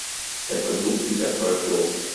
Der Versuch blieb erfolglos.